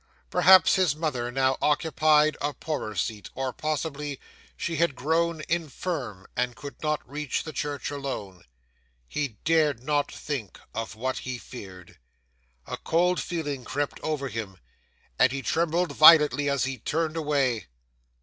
Perhaps his mother now occupied a poorer seat, or possibly she had grown infirm and could not reach the church alone. He dared not think of what he feared. A cold feeling crept over him, and he trembled violently as he turned away.